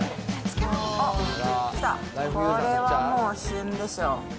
あっ、きた、これはもう旬でしょ。